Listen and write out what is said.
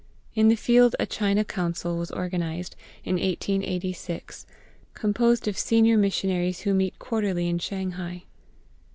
In the field a China Council was organised in 1886, composed of senior missionaries who meet quarterly in Shanghai.